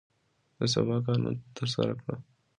د سبا کار نن ترسره کړئ.